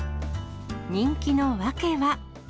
人気の訳は。